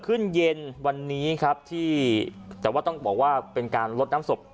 ขึ้นเย็นวันนี้ครับที่แต่ว่าต้องบอกว่าเป็นการลดน้ำศพ